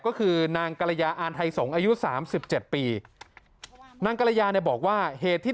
ก็คือนางกรยาอาณไทยสงฆ์อายุ๓๗ปีนางกรยาบอกว่าเหตุที่